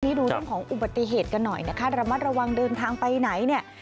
นี่ดูเรื่องของอุบัติเหตุกันหน่อยนะคะระมัดระวังเดินทางไปไหนเนี่ย